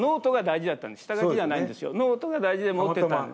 いやノートが大事で持ってたんです。